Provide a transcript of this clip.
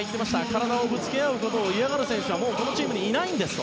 体をぶつけ合うことを嫌がる選手はこのチームにいないんです。